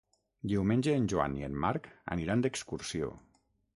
Diumenge en Joan i en Marc aniran d'excursió.